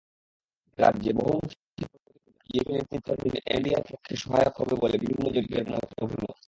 রাজ্যে বহুমুখী প্রতিদ্বন্দ্বিতা বিজেপি নেতৃত্বাধীন এনডিএর পক্ষে সহায়ক হবে বলে বিভিন্ন জরিপের অভিমত।